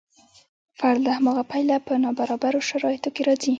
فرد له هماغه پیله په نابرابرو شرایطو کې راځي.